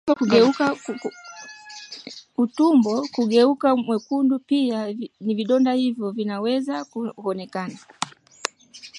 Utumbo kugeuka mwekundu pia vidonda hivyo vinaweza kuonekana